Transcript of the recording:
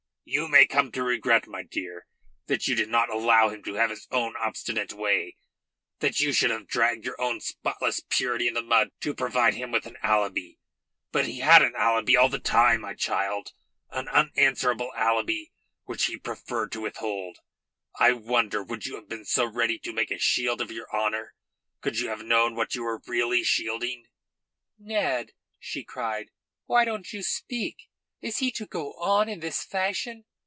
You may come to regret, my dear, that you did not allow him to have his own obstinate way; that you should have dragged your own spotless purity in the mud to provide him with an alibi. But he had an alibi all the time, my child; an unanswerable alibi which he preferred to withhold. I wonder would you have been so ready to make a shield of your honour could you have known what you were really shielding?" "Ned!" she cried. "Why don't you speak? Is he to go on in this fashion?